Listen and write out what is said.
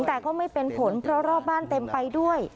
แต่ก็ไม่เป็นผลเพราะรอบบ้านเต็มไปด้วย